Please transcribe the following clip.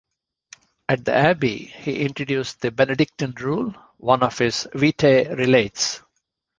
At the abbey he introduced the Benedictine rule, one of his "Vitae" relates.